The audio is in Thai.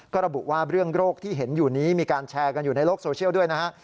ก็ระบุว่าเรื่องโรคที่เห็นอยู่นี้มีการแชร์กันอยู่ในโลกโซเชียลด้วยนะฮะ